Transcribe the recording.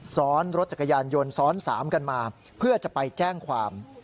ซ้อนรถจักรยานยนต์ซ้อน๓กันมาเพื่อจะไปแจ้งความ